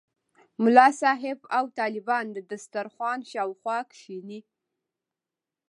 ملا صاحب او طالبان د دسترخوان شاوخوا کېني.